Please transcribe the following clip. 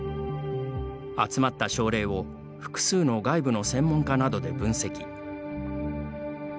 集まった症例を複数の外部の専門家などで分析。